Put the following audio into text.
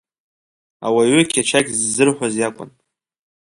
Ауаҩы қьачақь ззырҳәоз иакәын.